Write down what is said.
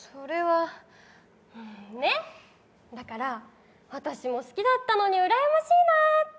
ねっ、だから、私も好きだったからうらやましいなって